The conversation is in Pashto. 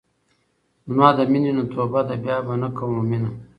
زما د مينې نه توبه ده بيا به نۀ کوم مينه